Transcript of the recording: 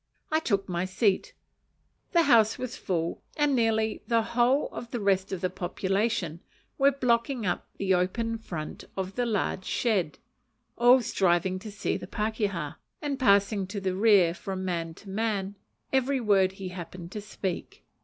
I took my seat. The house was full, and nearly the whole of the rest of the population were blocking up the open front of the large shed; all striving to see the pakeha, and passing to the rear from man to man every word he happened to speak.